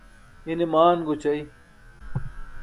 ine maan goćai